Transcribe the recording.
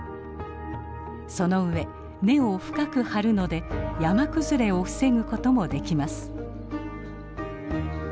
そのうえ根を深く張るので山崩れを防ぐこともできます。